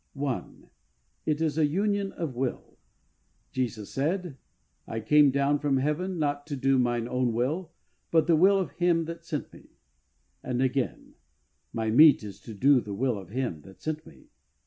I. It is a Union of Will, Jesus said, " I came down from heaven not to do Mine own will, but the will of Him that sent Me,'' and again, " My meat is to do the will of Him that sent Me."